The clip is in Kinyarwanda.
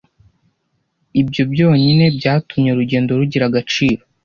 Ibyo byonyine byatumye urugendo rugira agaciro.